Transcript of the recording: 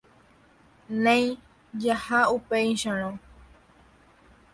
Néi, jaha upéicharõ.